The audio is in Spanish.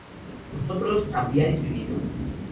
vosotros habríais vivido